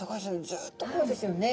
ずっとこうですよね。